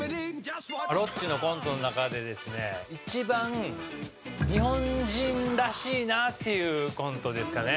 ロッチのコントの中でですね一番日本人らしいなあっていうコントですかね